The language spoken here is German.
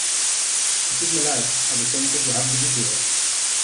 Es tut mir leid, aber ich denke, wir haben genug gehört.